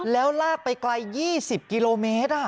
แล้วลากไปไกล๒๐กิโลเมตร